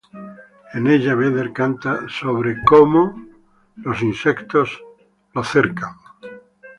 En ella Vedder canta acerca de cómo es cercado por insectos.